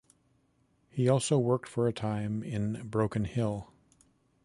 He also worked for a time in Broken Hill.